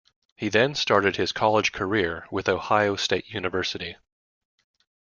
He then started his college career with Ohio State University.